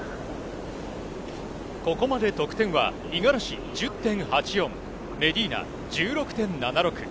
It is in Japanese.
ここまで得点は、五十嵐１０．８４、メディーナ１６．７６。